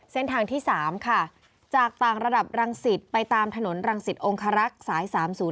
เส้นทางที่๓ค่ะจากต่างระดับรังสิตไปตามถนนรังสิตองคารักษ์สาย๓๐